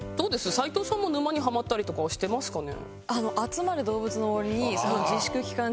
齊藤さんも沼にハマったりとかはしてますかね？